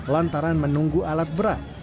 lantaran menunggu alat berat